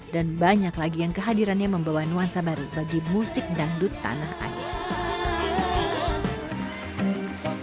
dan banyak lagi yang kehadirannya membawa nuansa baru bagi musik dangdut tanah air